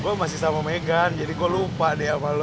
gue masih sama megan jadi gue lupa deh